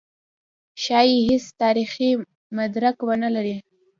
ښايي هېڅ تاریخي مدرک ونه لري.